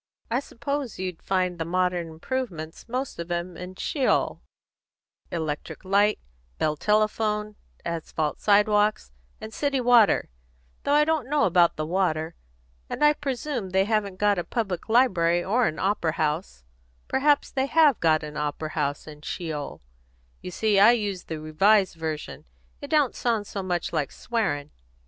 I suppose you'd find the modern improvements, most of 'em, in Sheol: electric light, Bell telephone, asphalt sidewalks, and city water though I don't know about the water; and I presume they haven't got a public library or an opera house perhaps they have got an opera house in Sheol: you see I use the Revised Version, it don't sound so much like swearing.